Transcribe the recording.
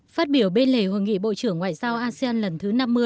phát biểu bên lề hội nghị bộ trưởng ngoại giao asean lần thứ năm mươi